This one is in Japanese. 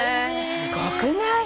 すごくない？